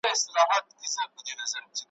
وطن چي ښځو لره زندان سي `